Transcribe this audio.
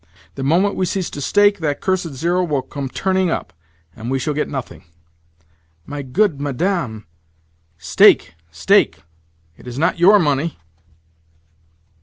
The moment we cease to stake, that cursed zero will come turning up, and we shall get nothing." "My good Madame—" "Stake, stake! It is not your money."